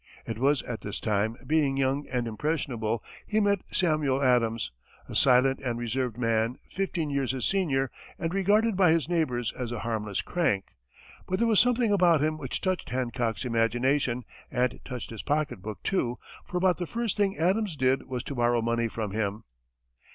It was at this time, being young and impressionable, he met Samuel Adams, a silent and reserved man, fifteen years his senior and regarded by his neighbors as a harmless crank. But there was something about him which touched Hancock's imagination and touched his pocketbook, too, for about the first thing Adams did was to borrow money from him.